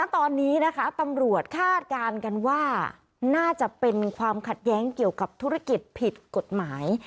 ตอนนี้นะคะตำรวจคาดการณ์กันว่าน่าจะเป็นความขัดแย้งเกี่ยวกับธุรกิจผิดกฎหมาย